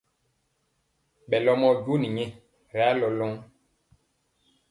Ɓɛ lomɔ jon nyɛ ri alɔlɔŋ.